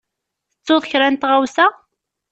Tettuḍ kra n tɣawsa?